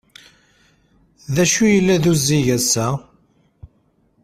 D acu yella d uzzig ass-a?